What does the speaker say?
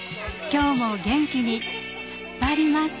今日も元気にツッパります。